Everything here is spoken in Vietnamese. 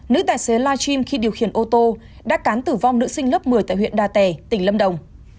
nữ tài xế live stream khi điều khiển ô tô đã cán tử vong nữ sinh lớp một mươi tại huyện đà tẻ tỉnh lâm đồng